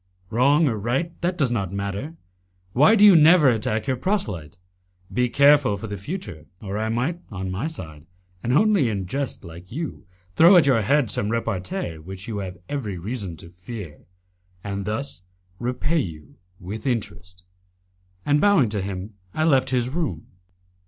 "Wrong or right, that does not matter. Why do you never attack your proselyte? Be careful for the future, or I might on my side, and only in jest like you, throw at your head some repartee which you have every reason to fear, and thus repay you with interest." And bowing to him I left his room.